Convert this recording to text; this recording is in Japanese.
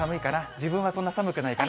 自分はそんな寒くないかな。